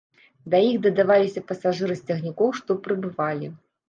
Да іх дадаваліся пасажыры з цягнікоў, што прыбывалі.